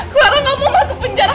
clara gak mau masuk penjara